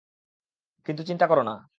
কিন্তু চিন্তা করো না।